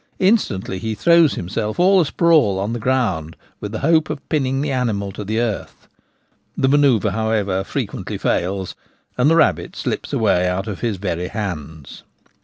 Instantly he throws himself all a sprawl upon the ground, with the hope of pinning the animal to the earth. The manoeuvre, however, frequently fails, and the rabbit slips away out of his very hands.